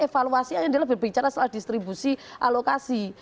evaluasi yang lebih bicara adalah distribusi alokasi